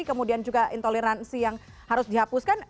kemudian juga intoleransi yang harus dihapuskan